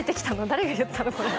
誰が言ったの？